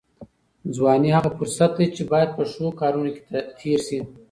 ځواني هغه فرصت دی چې باید په ښو کارونو کې تېر شي.